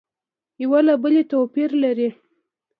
یو له بله تو پیر لري